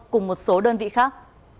cùng một số đơn vị khác